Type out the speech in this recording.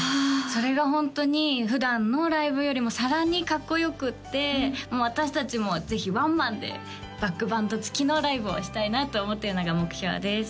それがホントに普段のライブよりもさらにかっこよくってもう私達もぜひワンマンでバックバンドつきのライブをしたいなと思ってるのが目標です